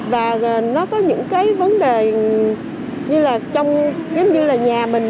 và nó có những cái vấn đề như là trong giống như là nhà mình